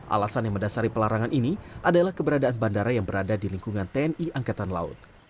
alasan yang mendasari pelarangan ini adalah keberadaan bandara yang berada di lingkungan tni angkatan laut